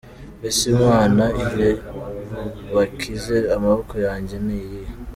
mbese Imana iri bubakize amaboko yanjye ni iyihe?”.